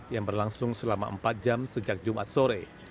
yang berlangsung selama empat jam sejak jumat sore